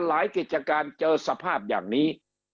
กิจการเจอสภาพอย่างนี้